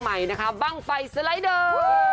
หนังใหม่บ้างไฟสไลด์เดอร์